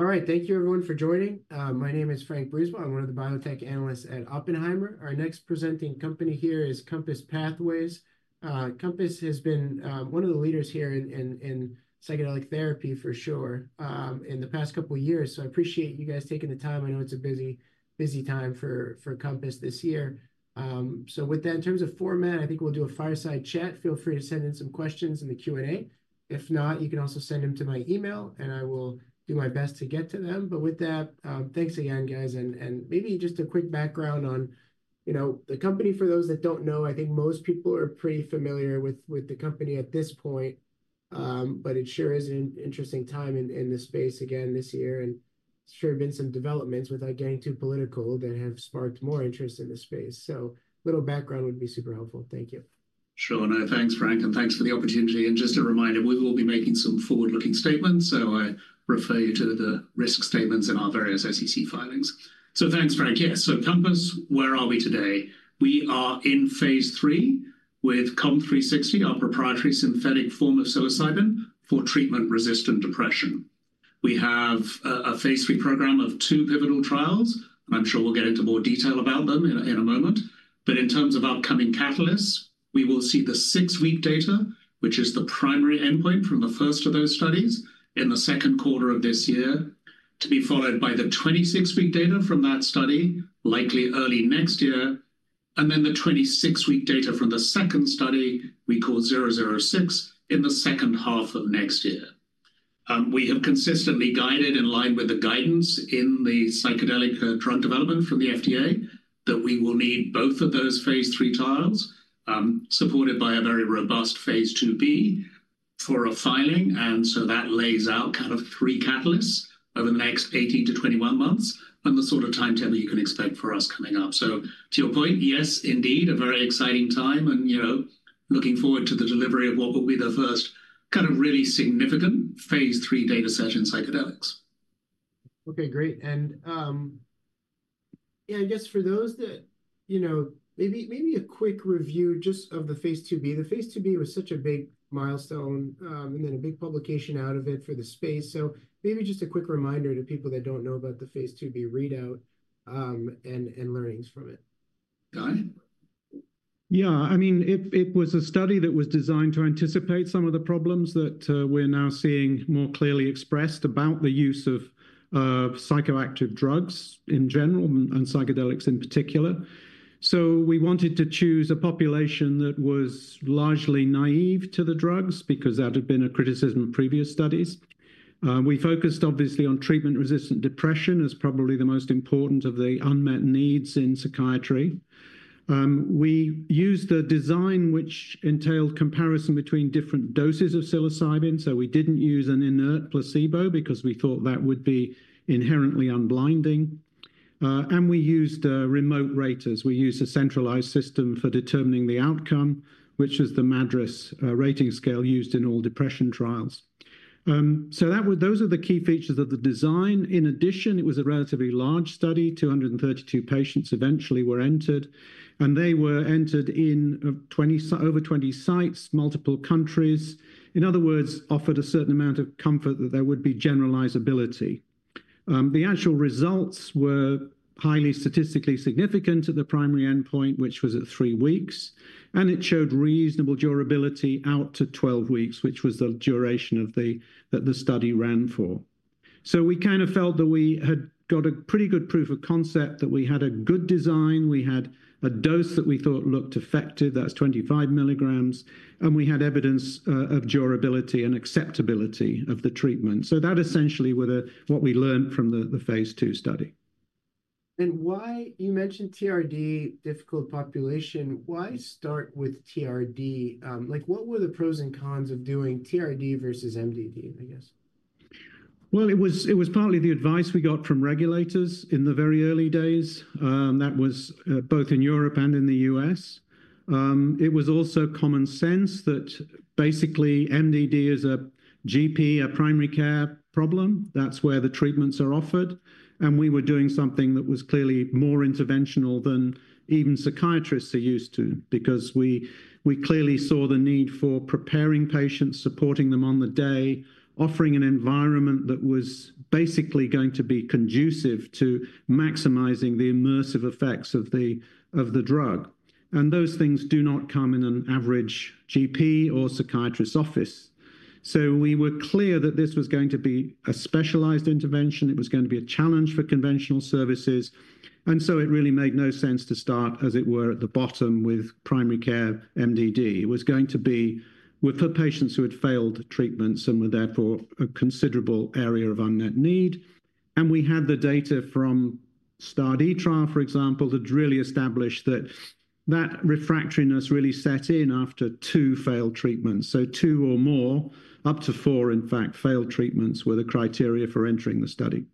All right. Thank you, everyone, for joining. My name is Frank Brisebois. I'm one of the biotech analysts at Oppenheimer. Our next presenting company here is Compass Pathways. Compass has been one of the leaders here in psychedelic therapy, for sure, in the past couple of years. So I appreciate you guys taking the time. I know it's a busy, busy time for Compass this year. So with that, in terms of format, I think we'll do a fireside chat. Feel free to send in some questions in the Q&A. If not, you can also send them to my email, and I will do my best to get to them. But with that, thanks again, guys, and maybe just a quick background on the company. For those that don't know, I think most people are pretty familiar with the company at this point, but it sure is an interesting time in the space again this year. And there's sure been some developments, without getting too political, that have sparked more interest in the space. So a little background would be super helpful. Thank you. Sure. Thanks, Frank. And thanks for the opportunity. And just a reminder, we will be making some forward-looking statements. So I refer you to the risk statements in our various SEC filings. So thanks, Frank. Yes. So Compass, where are we today? We are in Phase 3 with COMP360, our proprietary synthetic form of psilocybin for treatment-resistant depression. We have a Phase 3 program of two pivotal trials. And I'm sure we'll get into more detail about them in a moment. But in terms of upcoming catalysts, we will see the six-week data, which is the primary endpoint from the first of those studies in the second quarter of this year, to be followed by the 26-week data from that study, likely early next year. And then the 26-week data from the second study, we call 006, in the second half of next year. We have consistently guided, in line with the guidance in the psychedelic drug development from the FDA, that we will need both of those Phase 3 trials, supported by a very robust Phase 2b for a filing. And so that lays out kind of three catalysts over the next 18-21 months and the sort of timetable you can expect for us coming up. So to your point, yes, indeed, a very exciting time, and looking forward to the delivery of what will be the first kind of really significant Phase 3 data set in psychedelics. Okay. Great, and yeah, I guess for those that maybe a quick review just of the Phase 2b. The Phase 2b was such a big milestone and then a big publication out of it for the space, so maybe just a quick reminder to people that don't know about the Phase 2b readout and learnings from it. Got it. Yeah. I mean, it was a study that was designed to anticipate some of the problems that we're now seeing more clearly expressed about the use of psychoactive drugs in general and psychedelics in particular. So we wanted to choose a population that was largely naive to the drugs because that had been a criticism of previous studies. We focused, obviously, on treatment-resistant depression as probably the most important of the unmet needs in psychiatry. We used a design which entailed comparison between different doses of psilocybin. So we didn't use an inert placebo because we thought that would be inherently unblinding. And we used remote ratings. We used a centralized system for determining the outcome, which was the MADRS rating scale used in all depression trials. So those are the key features of the design. In addition, it was a relatively large study. 232 patients eventually were entered. And they were entered in over 20 sites, multiple countries. In other words, offered a certain amount of comfort that there would be generalizability. The actual results were highly statistically significant at the primary endpoint, which was at three weeks. And it showed reasonable durability out to 12 weeks, which was the duration that the study ran for. So we kind of felt that we had got a pretty good proof of concept, that we had a good design. We had a dose that we thought looked effective. That's 25 milligrams. And we had evidence of durability and acceptability of the treatment. So that essentially were what we learned from the Phase 2 study. You mentioned TRD, difficult population. Why start with TRD? What were the pros and cons of doing TRD versus MDD, I guess? It was partly the advice we got from regulators in the very early days. That was both in Europe and in the U.S. It was also common sense that basically MDD is a GP, a primary care problem. That's where the treatments are offered. We were doing something that was clearly more interventional than even psychiatrists are used to because we clearly saw the need for preparing patients, supporting them on the day, offering an environment that was basically going to be conducive to maximizing the immersive effects of the drug. Those things do not come in an average GP or psychiatrist's office. We were clear that this was going to be a specialized intervention. It was going to be a challenge for conventional services. It really made no sense to start, as it were, at the bottom with primary care MDD. It was going to be for patients who had failed treatments and were therefore a considerable area of unmet need, and we had the data from STAR*D, for example, that really established that refractoriness really set in after two failed treatments, so two or more, up to four, in fact, failed treatments were the criteria for entering the study.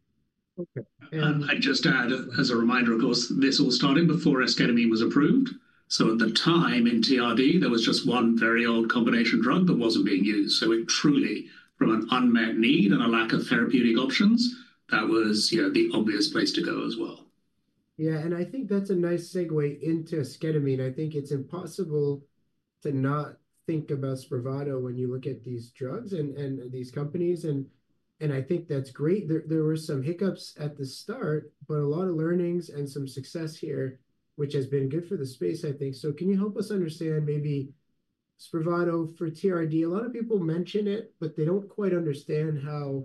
And I'd just add, as a reminder, of course, this all started before esketamine was approved. So at the time in TRD, there was just one very old combination drug that wasn't being used. So it truly, from an unmet need and a lack of therapeutic options, that was the obvious place to go as well. Yeah. And I think that's a nice segue into esketamine. I think it's impossible to not think about Spravato when you look at these drugs and these companies. And I think that's great. There were some hiccups at the start, but a lot of learnings and some success here, which has been good for the space, I think. So can you help us understand maybe Spravato for TRD? A lot of people mention it, but they don't quite understand how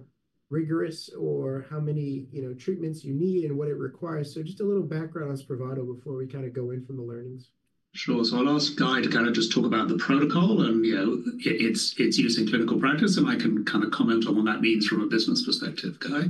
rigorous or how many treatments you need and what it requires. So just a little background on Spravato before we kind of go in from the learnings. Sure, so I'll ask Guy to kind of just talk about the protocol, and it's using clinical practice, and I can kind of comment on what that means from a business perspective. Guy.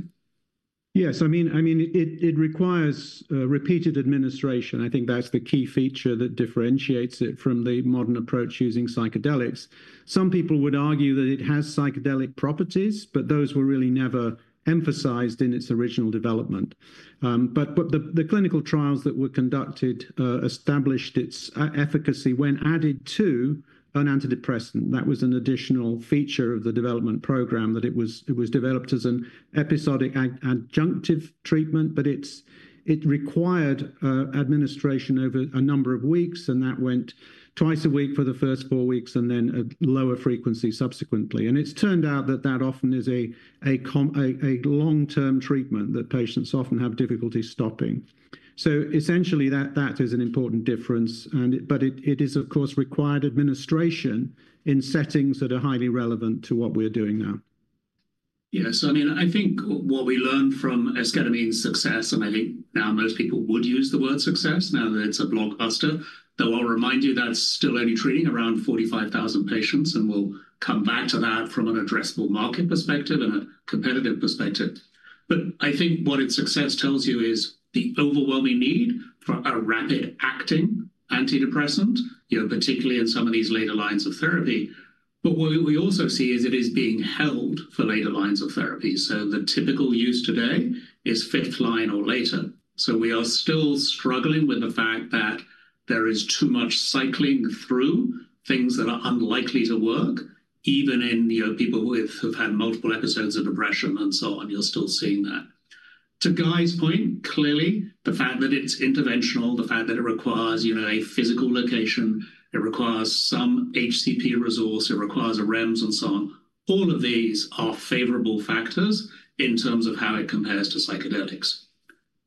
Yes. I mean, it requires repeated administration. I think that's the key feature that differentiates it from the modern approach using psychedelics. Some people would argue that it has psychedelic properties, but those were really never emphasized in its original development, but the clinical trials that were conducted established its efficacy when added to an antidepressant. That was an additional feature of the development program, that it was developed as an episodic adjunctive treatment, but it required administration over a number of weeks, and that went twice a week for the first four weeks and then at lower frequency subsequently, and it's turned out that that often is a long-term treatment that patients often have difficulty stopping, so essentially, that is an important difference, but it is, of course, required administration in settings that are highly relevant to what we're doing now. Yeah. So I mean, I think what we learned from esketamine's success, and I think now most people would use the word success now that it's a blockbuster, though I'll remind you that's still only treating around 45,000 patients. And we'll come back to that from an addressable market perspective and a competitive perspective. But I think what its success tells you is the overwhelming need for a rapid-acting antidepressant, particularly in some of these later lines of therapy. But what we also see is it is being held for later lines of therapy. So the typical use today is fifth line or later. So we are still struggling with the fact that there is too much cycling through things that are unlikely to work, even in people who have had multiple episodes of depression and so on. You're still seeing that. To Guy's point, clearly, the fact that it's interventional, the fact that it requires a physical location, it requires some HCP resource, it requires a REMS, and so on, all of these are favorable factors in terms of how it compares to psychedelics.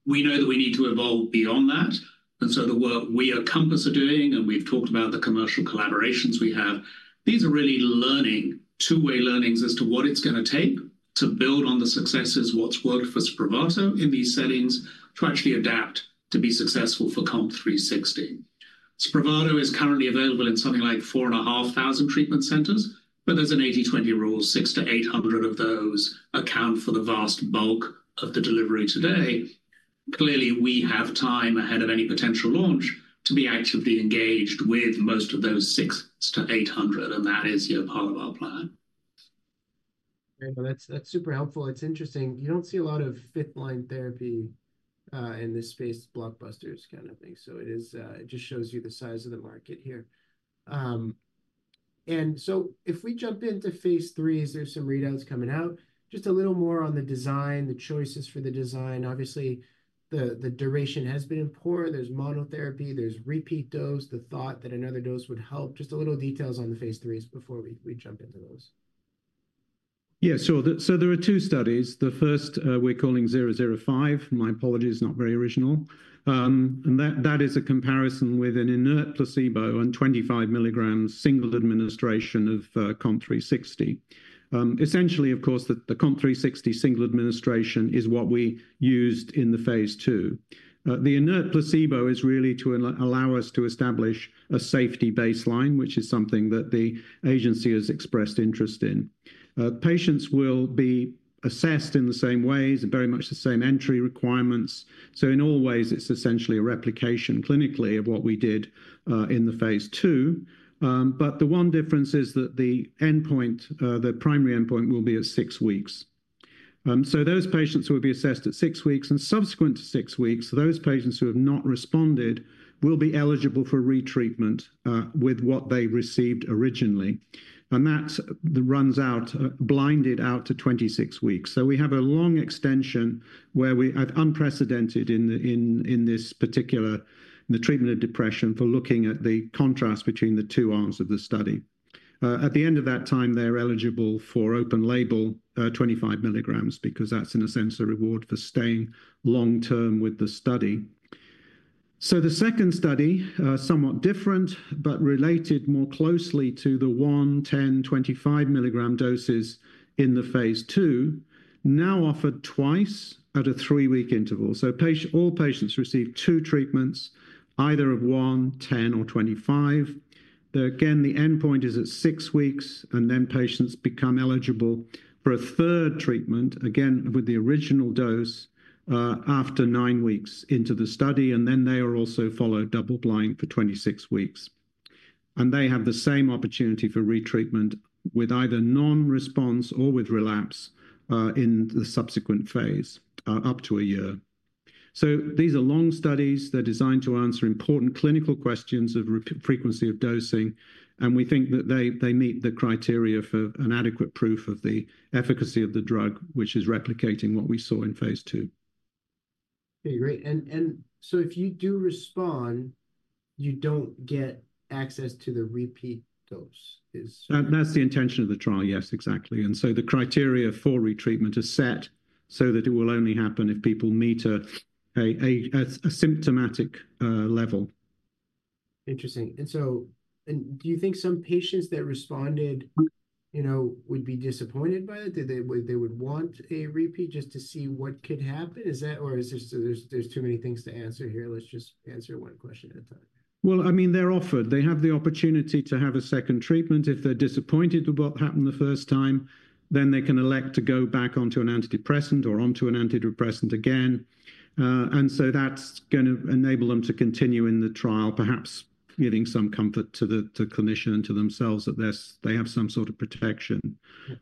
We know that we need to evolve beyond that, and so the work we at Compass are doing, and we've talked about the commercial collaborations we have, these are really two-way learnings as to what it's going to take to build on the successes, what's worked for Spravato in these settings, to actually adapt to be successful for COMP360. Spravato is currently available in something like 4,500 treatment centers, but there's an 80/20 rule. 600-800 of those account for the vast bulk of the delivery today. Clearly, we have time ahead of any potential launch to be actively engaged with most of those 600-800, and that is part of our plan. That's super helpful. It's interesting. You don't see a lot of fifth-line therapy in this space, blockbusters kind of thing. It just shows you the size of the market here, and so if we jump into Phase 3, as there's some readouts coming out, just a little more on the design, the choices for the design. Obviously, the duration has been poor. There's monotherapy. There's repeat dose, the thought that another dose would help. Just a little details on the Phase 3s before we jump into those. Yeah. So there were two studies. The first we're calling 005. My apologies, not very original. And that is a comparison with an inert placebo and 25 milligrams single administration of COMP360. Essentially, of course, the COMP360 single administration is what we used in the Phase 2. The inert placebo is really to allow us to establish a safety baseline, which is something that the agency has expressed interest in. Patients will be assessed in the same ways, very much the same entry requirements. So in all ways, it's essentially a replication clinically of what we did in the Phase 2. But the one difference is that the primary endpoint will be at six weeks. So those patients who will be assessed at six weeks and subsequent to six weeks, those patients who have not responded will be eligible for retreatment with what they received originally. And that runs out, blinded out to 26 weeks. So we have a long extension where we have unprecedented in this particular treatment of depression for looking at the contrast between the two arms of the study. At the end of that time, they're eligible for open-label 25 milligrams because that's, in a sense, a reward for staying long-term with the study. So the second study, somewhat different but related more closely to the one, 10, 25 milligram doses in the Phase 2, now offered twice at a three-week interval. So all patients receive two treatments, either of one, 10, or 25. Again, the endpoint is at six weeks. And then patients become eligible for a third treatment, again, with the original dose after nine weeks into the study. And then they are also followed double-blind for 26 weeks. They have the same opportunity for retreatment with either non-response or with relapse in the subsequent phase up to a year. These are long studies. They're designed to answer important clinical questions of frequency of dosing. We think that they meet the criteria for an adequate proof of the efficacy of the drug, which is replicating what we saw in Phase 2. Okay. Great. And so if you do respond, you don't get access to the repeat dose. That's the intention of the trial. Yes, exactly. And so the criteria for retreatment is set so that it will only happen if people meet a symptomatic level. Interesting. And so do you think some patients that responded would be disappointed by it? They would want a repeat just to see what could happen? Or is there too many things to answer here? Let's just answer one question at a time. I mean, they're offered. They have the opportunity to have a second treatment. If they're disappointed with what happened the first time, then they can elect to go back onto an antidepressant or onto an antidepressant again. And so that's going to enable them to continue in the trial, perhaps giving some comfort to the clinician and to themselves that they have some sort of protection.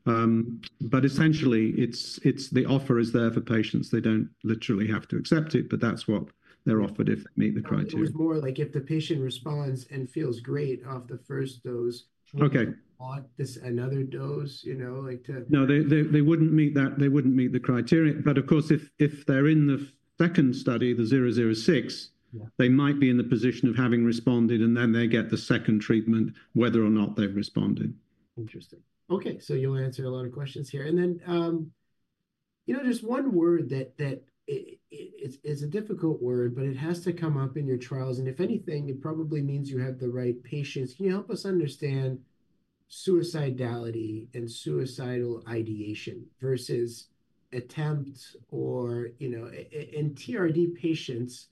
But essentially, the offer is there for patients. They don't literally have to accept it, but that's what they're offered if they meet the criteria. It was more like if the patient responds and feels great off the first dose, want another dose. No, they wouldn't meet that. They wouldn't meet the criteria. But of course, if they're in the second study, the 006, they might be in the position of having responded, and then they get the second treatment, whether or not they've responded. Interesting. Okay, so you'll answer a lot of questions here, and then just one word that is a difficult word, but it has to come up in your trials, and if anything, it probably means you have the right patients. Can you help us understand suicidality and suicidal ideation versus attempt, and TRD patients,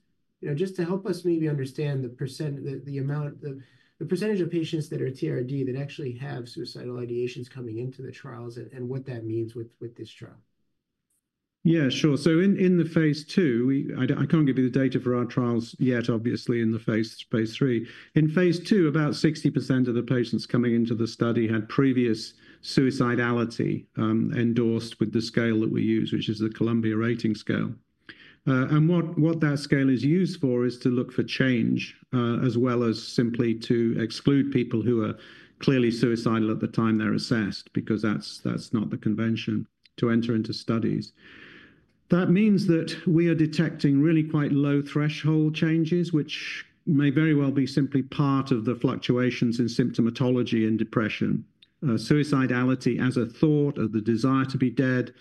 just to help us maybe understand the amount, the percentage of patients that are TRD that actually have suicidal ideations coming into the trials and what that means with this trial? Yeah, sure. So in the Phase 2, I can't give you the data for our trials yet, obviously, in the Phase 3. In Phase 2, about 60% of the patients coming into the study had previous suicidality endorsed with the scale that we use, which is the Columbia Rating Scale. And what that scale is used for is to look for change, as well as simply to exclude people who are clearly suicidal at the time they're assessed because that's not the convention to enter into studies. That means that we are detecting really quite low threshold changes, which may very well be simply part of the fluctuations in symptomatology in depression. Suicidality as a thought of the desire to be dead,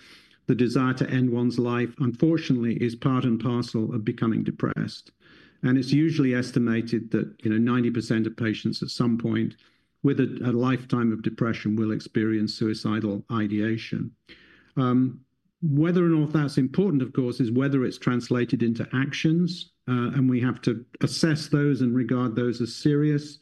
the desire to end one's life, unfortunately, is part and parcel of becoming depressed. It's usually estimated that 90% of patients at some point with a lifetime of depression will experience suicidal ideation. Whether or not that's important, of course, is whether it's translated into actions. And we have to assess those and regard those as serious.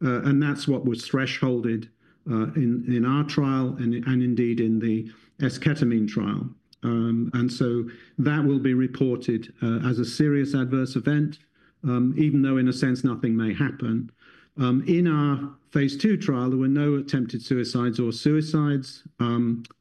And that's what was thresholded in our trial and indeed in the esketamine trial. And so that will be reported as a serious adverse event, even though in a sense, nothing may happen. In our Phase 2 trial, there were no attempted suicides or suicides.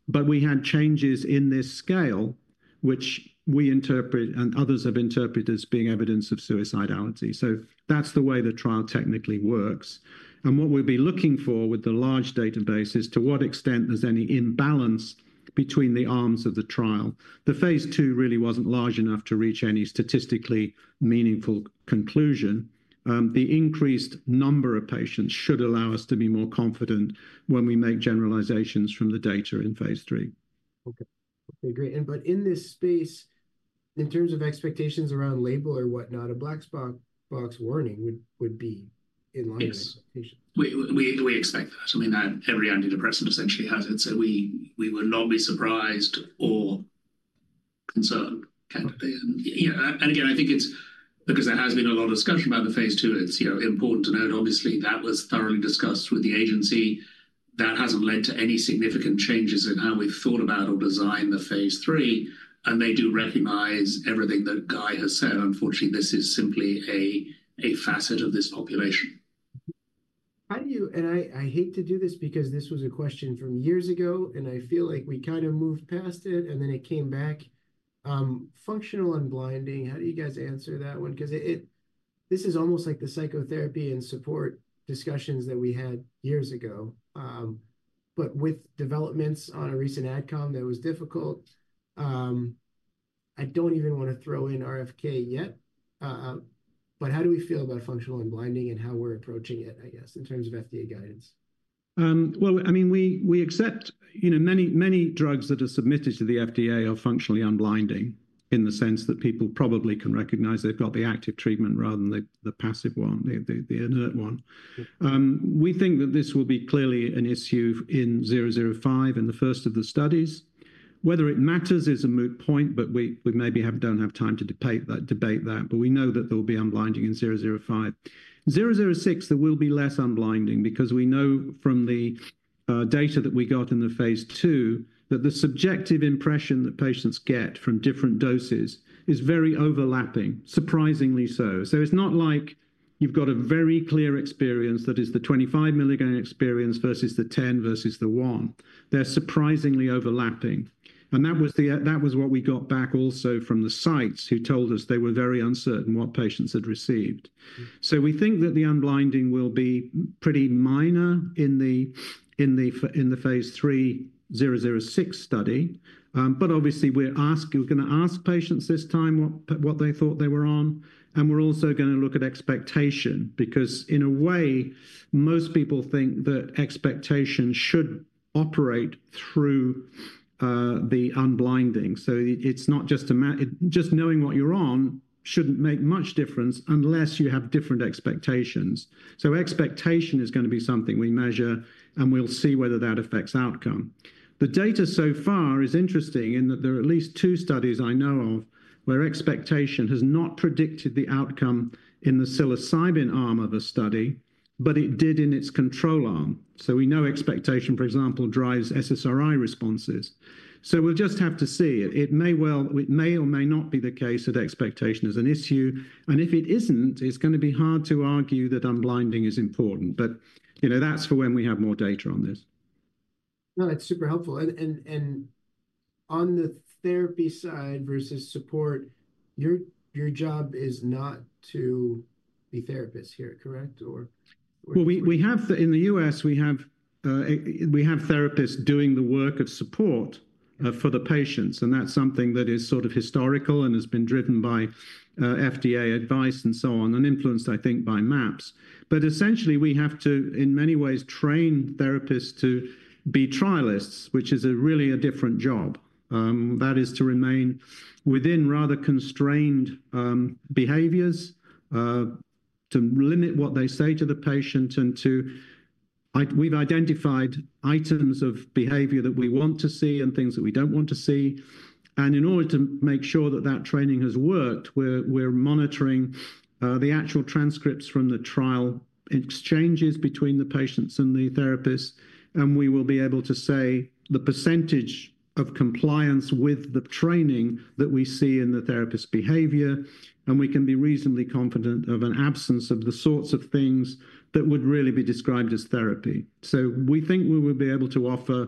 But we had changes in this scale, which we interpret and others have interpreted as being evidence of suicidality. So that's the way the trial technically works. And what we'll be looking for with the large database is to what extent there's any imbalance between the arms of the trial. The Phase 2 really wasn't large enough to reach any statistically meaningful conclusion. The increased number of patients should allow us to be more confident when we make generalizations from the data in Phase 3. Okay. Okay. Great. But in this space, in terms of expectations around label or whatnot, a Black Box Warning would be in line with expectations. We expect that. I mean, every antidepressant essentially has it. So we would not be surprised or concerned, candidly. And again, I think it's because there has been a lot of discussion about the Phase 2. It's important to note, obviously, that was thoroughly discussed with the agency. That hasn't led to any significant changes in how we've thought about or designed the Phase 3. And they do recognize everything that Guy has said. Unfortunately, this is simply a facet of this population. And I hate to do this because this was a question from years ago. And I feel like we kind of moved past it. And then it came back. Functional unblinding, how do you guys answer that one? Because this is almost like the psychotherapy and support discussions that we had years ago. But with developments on a recent AdCom, that was difficult. I don't even want to throw in RFK yet. But how do we feel about functional unblinding and how we're approaching it, I guess, in terms of FDA guidance? I mean, we accept many drugs that are submitted to the FDA are functionally unblinding in the sense that people probably can recognize they've got the active treatment rather than the passive one, the inert one. We think that this will be clearly an issue in 005 and the first of the studies. Whether it matters is a moot point, but we maybe don't have time to debate that. But we know that there will be unblinding in 005. 006, there will be less unblinding because we know from the data that we got in the Phase 2 that the subjective impression that patients get from different doses is very overlapping, surprisingly so. So it's not like you've got a very clear experience that is the 25 milligram experience versus the 10 versus the one. They're surprisingly overlapping. And that was what we got back also from the sites who told us they were very uncertain what patients had received. So we think that the unblinding will be pretty minor in the Phase 3 006 study. But obviously, we're going to ask patients this time what they thought they were on. And we're also going to look at expectation because in a way, most people think that expectation should operate through the unblinding. So it's not just knowing what you're on shouldn't make much difference unless you have different expectations. So expectation is going to be something we measure, and we'll see whether that affects outcome. The data so far is interesting in that there are at least two studies I know of where expectation has not predicted the outcome in the psilocybin arm of a study, but it did in its control arm. So we know expectation, for example, drives SSRI responses. So we'll just have to see. It may or may not be the case that expectation is an issue. And if it isn't, it's going to be hard to argue that unblinding is important. But that's for when we have more data on this. No, that's super helpful. And on the therapy side versus support, your job is not to be therapists here, correct? In the U.S., we have therapists doing the work of support for the patients. That's something that is sort of historical and has been driven by FDA advice and so on and influenced, I think, by MAPS. Essentially, we have to, in many ways, train therapists to be trialists, which is really a different job. That is to remain within rather constrained behaviors, to limit what they say to the patient, and we've identified items of behavior that we want to see and things that we don't want to see. In order to make sure that that training has worked, we're monitoring the actual transcripts from the trial exchanges between the patients and the therapists. We will be able to say the percentage of compliance with the training that we see in the therapist's behavior. And we can be reasonably confident of an absence of the sorts of things that would really be described as therapy. So we think we will be able to offer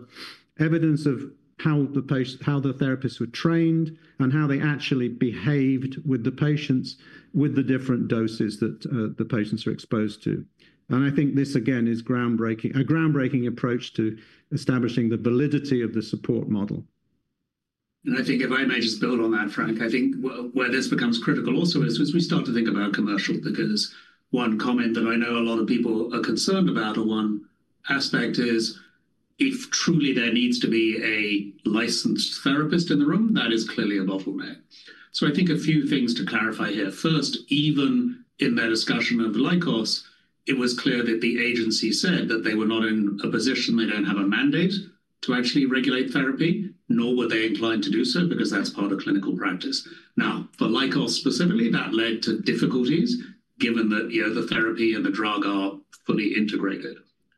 evidence of how the therapists were trained and how they actually behaved with the patients with the different doses that the patients were exposed to. And I think this, again, is a groundbreaking approach to establishing the validity of the support model. And I think if I may just build on that, Frank. I think where this becomes critical also is as we start to think about commercial because one comment that I know a lot of people are concerned about or one aspect is if truly there needs to be a licensed therapist in the room, that is clearly a bottleneck. So I think a few things to clarify here. First, even in their discussion of Lykos, it was clear that the agency said that they were not in a position, they don't have a mandate to actually regulate therapy, nor were they inclined to do so because that's part of clinical practice. Now, for Lykos specifically, that led to difficulties given that the therapy and the drug are fully integrated.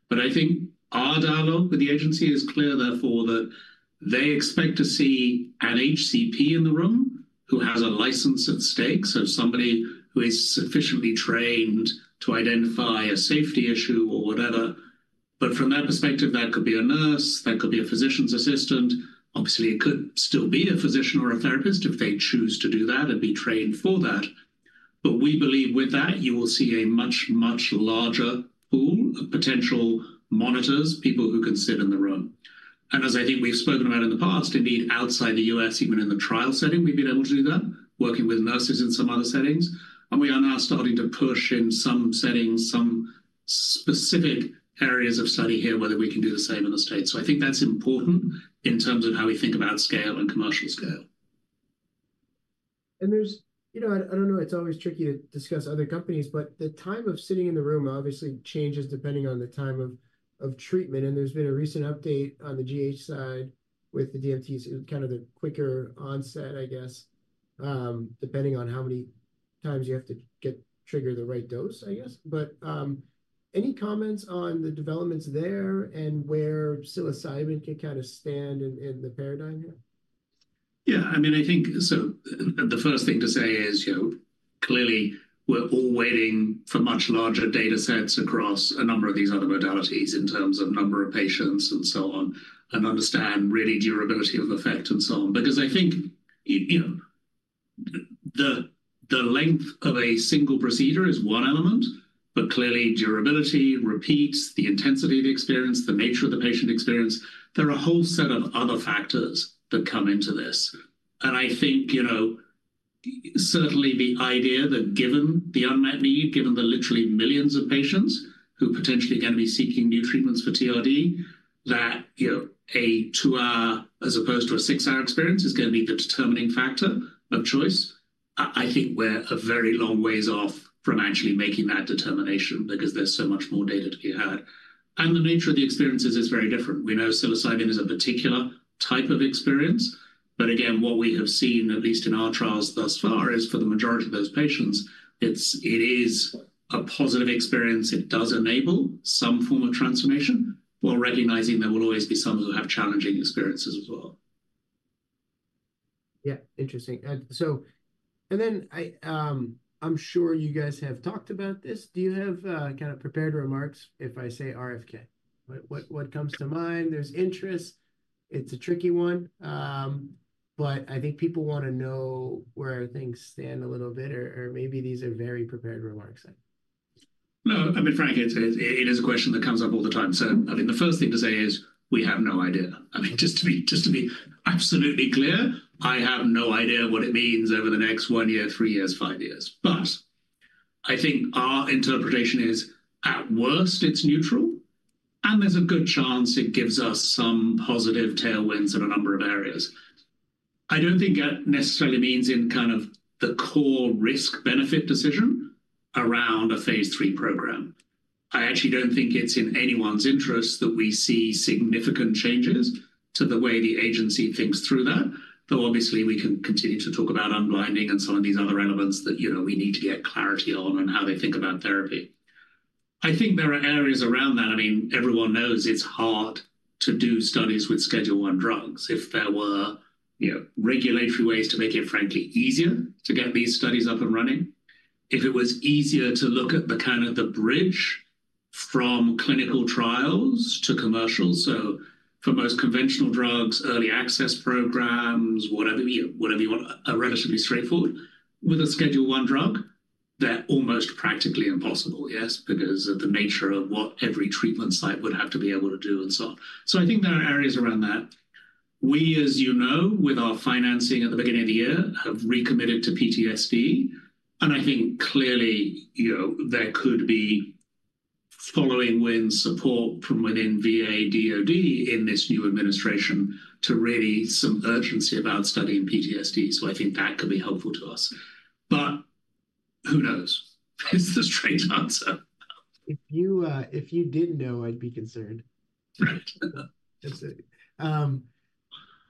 But I think our dialogue with the agency is clear, therefore, that they expect to see an HCP in the room who has a license at stake. So somebody who is sufficiently trained to identify a safety issue or whatever. But from that perspective, that could be a nurse, that could be a physician's assistant. Obviously, it could still be a physician or a therapist if they choose to do that and be trained for that. But we believe with that, you will see a much, much larger pool of potential monitors, people who can sit in the room. And as I think we've spoken about in the past, indeed, outside the U.S., even in the trial setting, we've been able to do that, working with nurses in some other settings. We are now starting to push in some settings, some specific areas of study here, whether we can do the same in the States. So I think that's important in terms of how we think about scale and commercial scale. I don't know, it's always tricky to discuss other companies, but the time of sitting in the room obviously changes depending on the time of treatment. There's been a recent update on the GH side with the DMTs, kind of the quicker onset, I guess, depending on how many times you have to trigger the right dose, I guess. Any comments on the developments there and where psilocybin can kind of stand in the paradigm here? Yeah. I mean, I think so the first thing to say is clearly, we're all waiting for much larger data sets across a number of these other modalities in terms of number of patients and so on and understand really durability of effect and so on. Because I think the length of a single procedure is one element, but clearly, durability, repeats, the intensity of the experience, the nature of the patient experience, there are a whole set of other factors that come into this. And I think certainly the idea that given the unmet need, given the literally millions of patients who potentially are going to be seeking new treatments for TRD, that a two-hour as opposed to a six-hour experience is going to be the determining factor of choice, I think we're a very long ways off from actually making that determination because there's so much more data to be had. And the nature of the experiences is very different. We know psilocybin is a particular type of experience. But again, what we have seen, at least in our trials thus far, is for the majority of those patients, it is a positive experience. It does enable some form of transformation, while recognizing there will always be some who have challenging experiences as well. Yeah. Interesting. And then I'm sure you guys have talked about this. Do you have kind of prepared remarks? If I say RFK, what comes to mind? There's interest. It's a tricky one. But I think people want to know where things stand a little bit, or maybe these are very prepared remarks. No, I mean, frankly, it is a question that comes up all the time. So I think the first thing to say is we have no idea. I mean, just to be absolutely clear, I have no idea what it means over the next one year, three years, five years. But I think our interpretation is at worst, it's neutral. And there's a good chance it gives us some positive tailwinds in a number of areas. I don't think that necessarily means in kind of the core risk-benefit decision around a Phase 3 program. I actually don't think it's in anyone's interest that we see significant changes to the way the agency thinks through that. Though obviously, we can continue to talk about unblinding and some of these other elements that we need to get clarity on and how they think about therapy. I think there are areas around that. I mean, everyone knows it's hard to do studies with Schedule I drugs. If there were regulatory ways to make it, frankly, easier to get these studies up and running, if it was easier to look at the kind of bridge from clinical trials to commercial, so for most conventional drugs, early access programs, whatever you want, are relatively straightforward with a Schedule I drug, they're almost practically impossible, yes, because of the nature of what every treatment site would have to be able to do and so on. So I think there are areas around that. We, as you know, with our financing at the beginning of the year, have recommitted to PTSD, and I think clearly, there could be tailwind support from within VA/DoD in this new administration to really some urgency about studying PTSD, so I think that could be helpful to us. But who knows? It's the straight answer. If you didn't know, I'd be concerned. Right.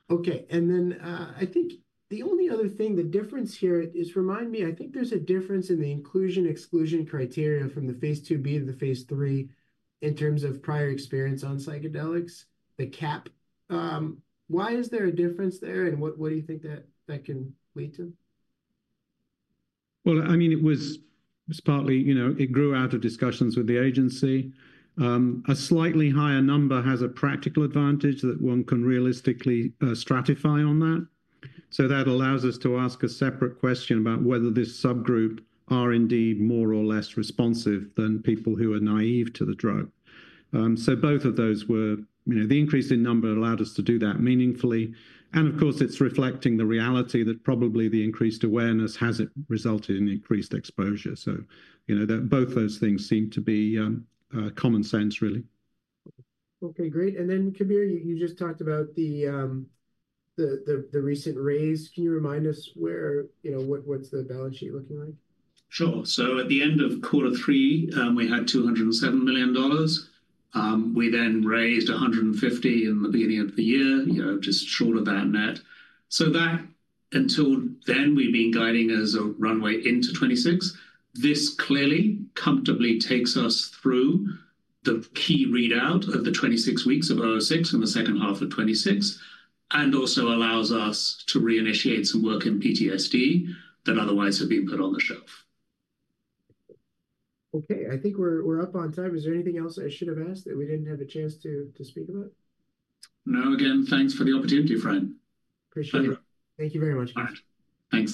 Okay, and then I think the only other thing, the difference here is remind me, I think there's a difference in the inclusion/exclusion criteria from the Phase 2b to the Phase 3 in terms of prior experience on psychedelics, the cap. Why is there a difference there? And what do you think that can lead to? I mean, it was partly it grew out of discussions with the agency. A slightly higher number has a practical advantage that one can realistically stratify on that, so that allows us to ask a separate question about whether this subgroup are indeed more or less responsive than people who are naive to the drug. So both of those were the increase in number allowed us to do that meaningfully. And of course, it's reflecting the reality that probably the increased awareness has resulted in increased exposure, so both those things seem to be common sense, really. Okay. Great. And then, Kabir, you just talked about the recent raise. Can you remind us what's the balance sheet looking like? Sure. So at the end of quarter three, we had $207 million. We then raised $150 in the beginning of the year, just short of that net. So until then, we've been guiding as a runway into 2026. This clearly comfortably takes us through the key readout of the 26 weeks of 006 and the second half of 2026, and also allows us to reinitiate some work in PTSD that otherwise have been put on the shelf. Okay. I think we're up on time. Is there anything else I should have asked that we didn't have a chance to speak about? No. Again, thanks for the opportunity, Frank. Appreciate it. Thank you very much. Thanks.